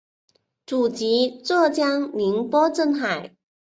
祖籍浙江宁波镇海。